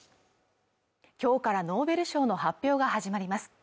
今日からノーベル賞の発表が始まります